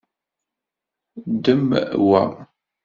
Ddem wa.